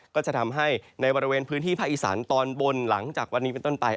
ก็จะทำให้ในบริเวณพื้นที่ภาคอีสานตอนบนหลังจากวันนี้เป็นต้นไป